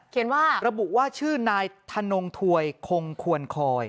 ว่าระบุว่าชื่อนายธนงถวยคงควรคอย